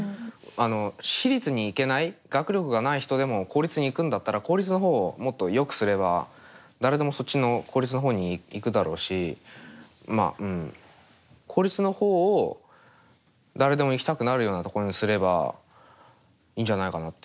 あの私立に行けない学力がない人でも公立に行くんだったら公立の方をもっとよくすれば誰でもそっちの公立の方に行くだろうしまあうん公立の方を誰でも行きたくなるようなところにすればいいんじゃないかなって。